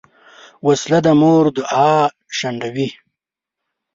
وسله د مور دعا شنډوي